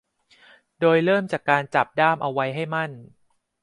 โดยเริ่มจากการจับด้ามเอาไว้ให้มั่น